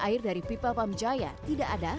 air dari pipa pam jaya tidak ada